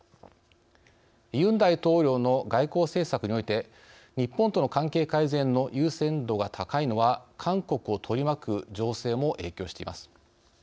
ユン大統領の外交政策において日本との関係改善の優先度が高いのは、韓国を取り巻く情勢も影響しています。